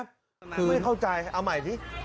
คือไม่เข้าใจเอาใหม่สิ